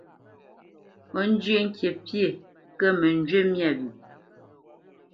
Ó zhyə́ ŋkǐ pyé, kə mə njyé myâ wyê.